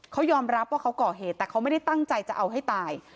เขายอมรับว่าเขาก่อเหตุแต่เขาไม่ได้ตั้งใจจะเอาให้ตาย